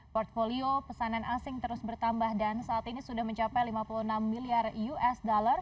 portfolio pesanan asing terus bertambah dan saat ini sudah mencapai lima puluh enam miliar usd